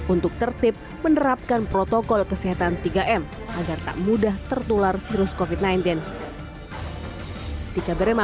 untuk tertib menerapkan protokol kesehatan tiga m agar tak mudah tertular virus covid sembilan belas